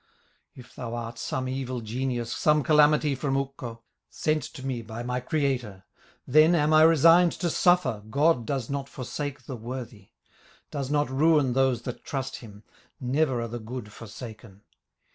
If thou art some evil genius, Some calamity from Ukko, Sent to me by my Creator, Then am I resigned to suffer; God does not forsake the worthy, Does not ruin those that trust him, Never are the good forsaken.